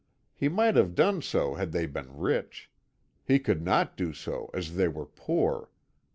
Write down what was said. He might have done so had they been rich; he could not do so as they were poor.